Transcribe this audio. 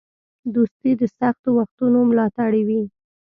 دوستي د سختو وختونو ملاتړی وي.